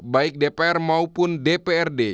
baik dpr maupun dprd